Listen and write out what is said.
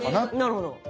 なるほど。